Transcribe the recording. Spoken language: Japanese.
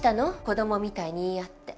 子供みたいに言い合って。